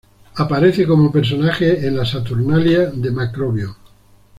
Aparece como personaje en las "Saturnalia" de Macrobio.